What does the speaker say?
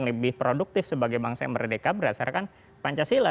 dan lebih produktif sebagai bangsa yang merdeka berdasarkan pancasila